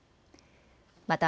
また